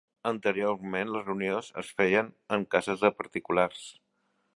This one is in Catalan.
Anteriorment les reunions es feien en cases de particulars.